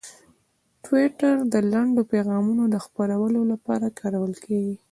ټویټر د لنډو پیغامونو د خپرولو لپاره کارول کېږي.